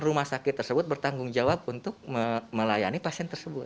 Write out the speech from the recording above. rumah sakit tersebut bertanggung jawab untuk melayani pasien tersebut